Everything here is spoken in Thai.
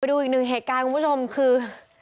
ดูอีกหนึ่งเหตุการณ์คุณผู้ชมคือ